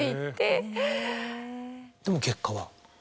でも結果は。